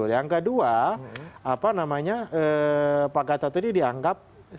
yang kedua apa namanya pak gatot ini dianggap